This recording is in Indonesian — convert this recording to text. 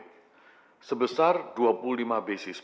dengan kebijakan yang telah diperlukan oleh bank indonesia